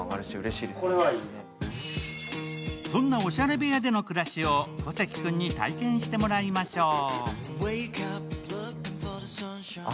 そんなオシャレ部屋での暮らしを小関君に体験してもらいましょう。